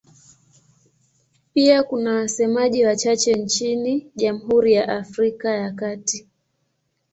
Pia kuna wasemaji wachache nchini Jamhuri ya Afrika ya Kati.